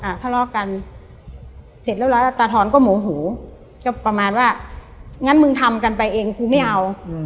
ทะเลาะกันเสร็จเรียบร้อยแล้วตาทอนก็โมโหก็ประมาณว่างั้นมึงทำกันไปเองกูไม่เอาอืม